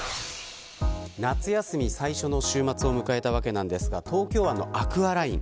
夏休み最初の週末を迎えたわけなんですが東京湾のアクアライン